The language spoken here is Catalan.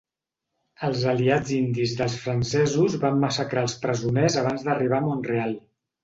Els aliats indis dels francesos van massacrar els presoners abans d'arribar a Mont-real.